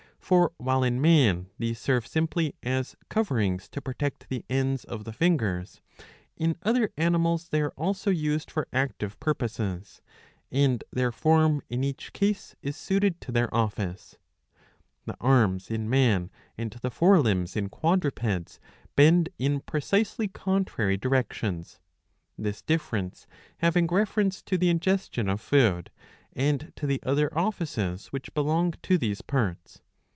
For, while in man these serve simply as coverings to protect the ends of the fingers, in other animals they are also i}sed for active purposes ; [and their form in each case is suited to their office.] ^^ The arms in man and the fore limbs in quadrupeds bend in precisely ^^ contrary directions, this difference having reference to the ingestion of food ^^ and to the other offices which belong to these parts.